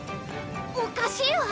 おかしいわ！